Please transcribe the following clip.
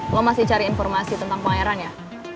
lo masih cari informasi tentang pengairan ya